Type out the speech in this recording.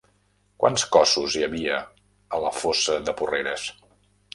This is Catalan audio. Quants cossos hi havia a la fossa de Porreres?